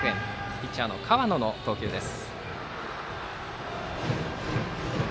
ピッチャーの河野の投球です。